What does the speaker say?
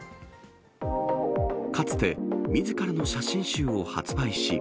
かつてみずからの写真集を発